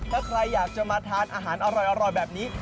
ถ้าใครอยากจะมาทานอาหารอร่อยแบบนี้